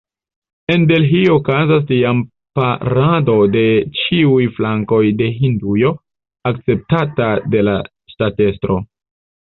En Delhio okazas tiam parado de ĉiuj flankoj de Hindujo, akceptata de la ŝtatestro.